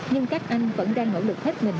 nhưng các anh vẫn đang nỗ lực hết mình